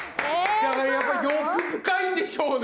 やっぱり欲深いんでしょうね！